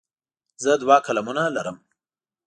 زه دوه قلمونه لرم.